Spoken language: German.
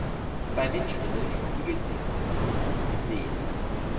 Bei Windstille spiegelt sich das Matterhorn im See.